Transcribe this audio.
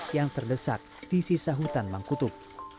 yang terdesak di sisa hutan mangkutuk